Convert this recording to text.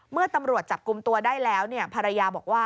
เมื่อตำรวจจับกลุ่มตัวได้แล้วภรรยาบอกว่า